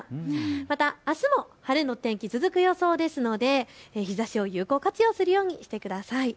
また、あすも晴れの天気、続く予想ですので、日ざしを有効活用するようにしてください。